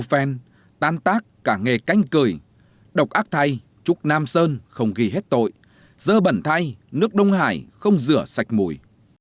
phen tan tác cả nghề canh cười độc ác thay trúc nam sơn không ghi hết tội dơ bẩn thay nước đông hải không rửa sạch mùi